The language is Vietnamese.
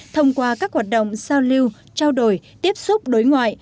thông qua các hoạt động giao lưu trao đổi tiếp xúc đối ngoại